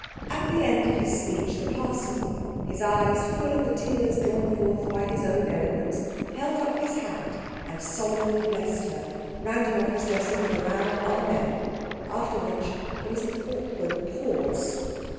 At the end of his speech, the parson, his eyes full of the tears drawn forth by his own eloquence, held up his hand and solemnly blessed her, rounding off his blessing with a loud Amen, after which there was an awkward pause.